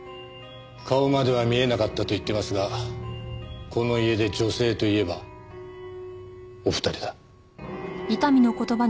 顔までは見えなかったと言ってますがこの家で女性といえばお二人だ。